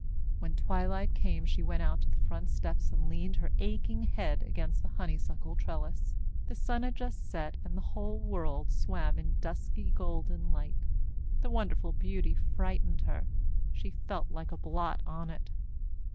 When twilight came she went out to the front steps and leaned her aching head against the honeysuckle trellis. The sun had just set and the whole world swam in dusky golden light. The wonderful beauty frightened her. She felt like a blot on it.